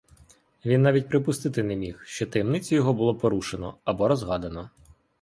Він навіть припустити не міг, щоб таємницю його було порушено, або розгадано.